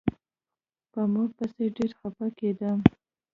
په مور پسې ډېر خپه کېدم.